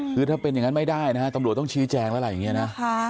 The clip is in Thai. คือถ้าเป็นอย่างนั้นไม่ได้นะฮะตำรวจต้องชี้แจงแล้วอะไรอย่างนี้นะ